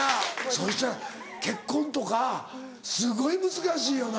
そしたら結婚とかすごい難しいよな。